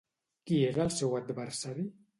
Qui era el seu adversari?